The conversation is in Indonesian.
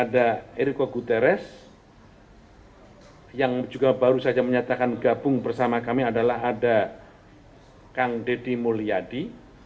dan juga guterres yang juga baru saja menyatakan gabung bersama kami adalah ada kang deddy mulyadi